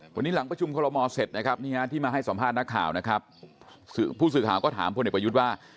วันนี้หลังประชุมคอลโมเสร็จนะครับนี่ฮะที่มาให้สัมภาษณ์นักข่าวนะครับผู้สื่อข่าวก็ถามพลเอกประยุทธ์ว่า